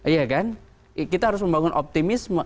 iya kan kita harus membangun optimisme